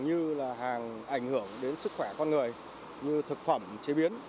như là hàng ảnh hưởng đến sức khỏe con người như thực phẩm chế biến